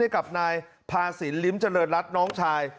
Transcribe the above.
กับนายพาสินลิ้มเจริญรัฐน้องชาย